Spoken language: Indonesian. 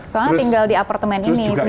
soalnya tinggal di apartemen ini semua ada